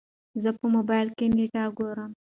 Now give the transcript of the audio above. زه په موبايل کې نېټه ګورم.